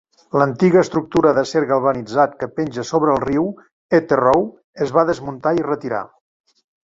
L'antiga estructura d'acer galvanitzat que penja sobre el riu Etherrow es va desmuntar i retirar.